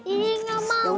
ini nggak mau